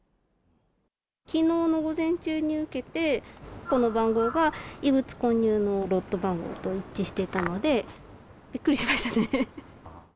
きのうの午前中に受けて、この番号が異物混入のロット番号と一致してたので、びっくりしましたね。